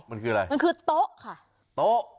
มันคือโต๊ะค่ะ